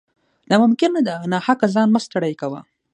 نا ممکنه ده ، ناحقه ځان مه ستړی کوه